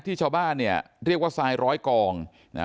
ชาวบ้านเนี่ยเรียกว่าทรายร้อยกองนะฮะ